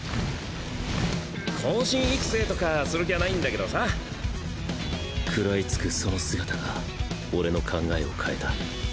後進育成とかする気はない喰らいつくその姿が俺の考えを変えた。